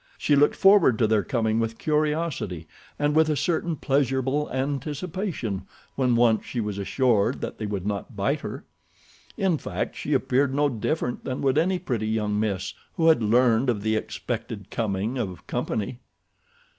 She looked forward to their coming with curiosity and with a certain pleasurable anticipation when once she was assured that they would not bite her. In fact she appeared no different than would any pretty young miss who had learned of the expected coming of company.